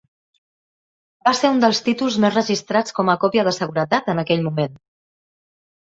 Va ser un dels títols més registrats com a còpia de seguretat en aquell moment.